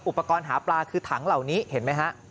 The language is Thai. อุปกรณ์หาปลาคือถังเหล่านี้เห็นไหมฮะ